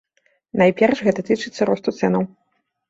Найперш гэта тычыцца росту цэнаў.